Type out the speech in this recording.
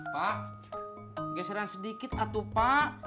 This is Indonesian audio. pak geseran sedikit atuh pak